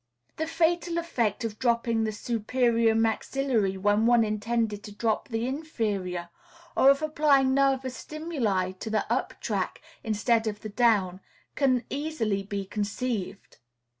The fatal effect of dropping the superior maxillary when one intended to drop the inferior, or of applying nervous stimuli to the up track, instead of the down, can easily be conceived.